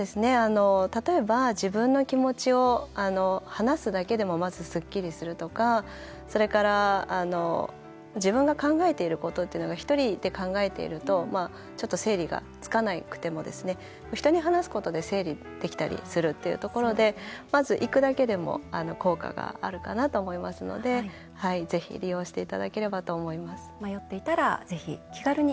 例えば自分の気持ちを話すだけでもまず、すっきりするとかそれから自分が考えていることとか１人で考えていると整理がつかなくても人に話すことで整理できたりするってことでまず、行くだけでも効果があるかなと思いますのでぜひ、利用していただければと思います。